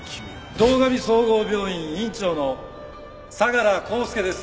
堂上総合病院院長の相良浩介です。